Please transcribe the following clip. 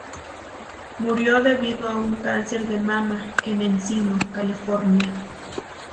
Murió, debido a un cáncer de mama, en Encino, California.